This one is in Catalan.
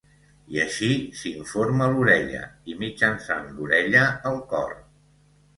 I així s'informa l'orella, i mitjançant l'orella, el cor.